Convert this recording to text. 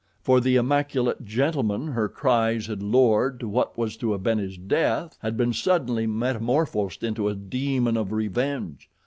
For the immaculate gentleman her cries had lured to what was to have been his death had been suddenly metamorphosed into a demon of revenge.